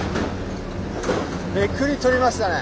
めくり取りましたね！